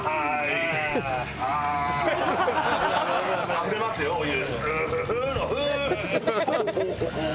あふれますよお湯。